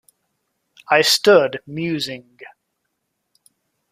I stood musing.